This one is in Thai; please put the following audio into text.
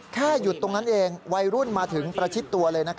หยุดตรงนั้นเองวัยรุ่นมาถึงประชิดตัวเลย